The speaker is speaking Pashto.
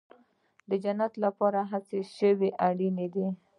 د جنت لپاره څه شی اړین دی؟